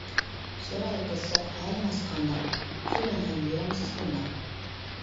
سوراي قىزچاق ھالىڭىز قانداق؟ كۈلۈڭ ھەم يۈرەمسىز بۇنداق.